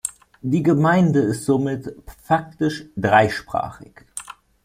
Die Gemeinde ist somit faktisch dreisprachig.